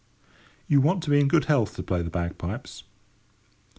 You want to be in good health to play the bagpipes.